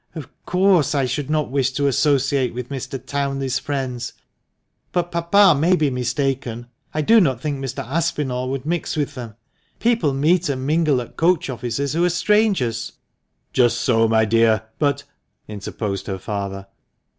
" Of course I should not wish to associate with Mr. Townley's friends. But papa may be mistaken. I do not think Mr. Aspinall would mix with them. People meet and mingle at coach offices who are strangers." "Just so, my dear; but " interposed her father.